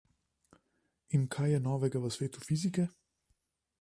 In kaj je novega v svetu fizike?